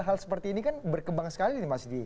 hal hal seperti ini kan berkembang sekali nih mas